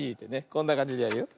こんなかんじでやるよ。